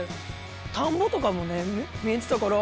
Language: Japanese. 田んぼとかもね見えてたから。